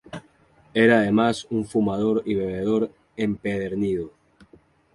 Era además un fumador y bebedor empedernido.